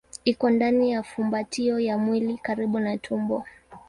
Iko ndani ya fumbatio ya mwili karibu na tumbo.